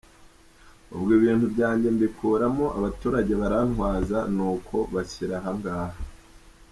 ubwo ibintu byanjye mbikuramo , abaturage barantwaza nuko bashyira aha ngaha.